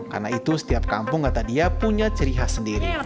karena itu setiap kampung kata dia punya ciri khas sendiri